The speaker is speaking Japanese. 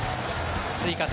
追加点。